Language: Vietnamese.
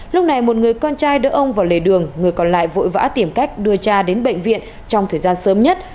lúc này một người con trai đỡ ông vào lề đường người còn lại vội vã tìm cách đưa cha đến bệnh viện trong thời gian sớm nhất